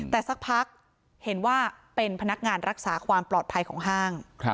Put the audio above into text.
แต่สักพักเห็นว่าเป็นพนักงานรักษาความปลอดภัยของห้าง